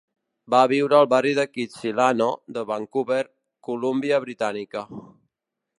Va viure al barri de Kitsilano de Vancouver, Colúmbia britànica.